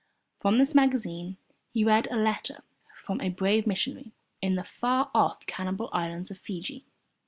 From this magazine he read a letter from a brave missionary in the far off cannibal islands of Fiji.